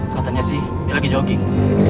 katanya sih dia lagi jogging